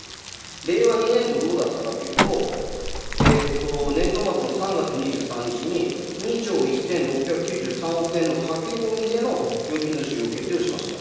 令和２年度どうだったかというと、年度末の３月２３日に、２兆１６９３億円の駆け込みでの予備費の使用を決定をしました。